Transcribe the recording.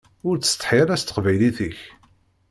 Ur ttsetḥi ara s teqbaylit-ik.